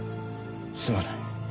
すまない。